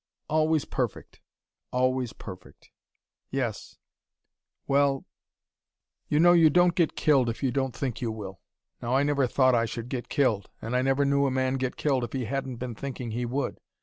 Always perfect, always perfect yes well.... "You know you don't get killed if you don't think you will. Now I never thought I should get killed. And I never knew a man get killed if he hadn't been thinking he would.